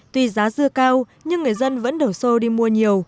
tuy giá dưa cao nhưng người dân vẫn đổ xô đi mua nhiều